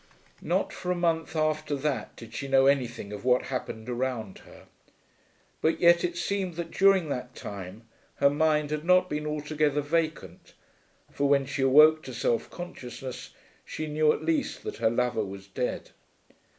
Not for a month after that did she know anything of what happened around her. But yet it seemed that during that time her mind had not been altogether vacant, for when she awoke to self consciousness, she knew at least that her lover was dead.